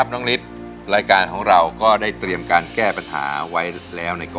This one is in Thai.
ช่วยที่ไหน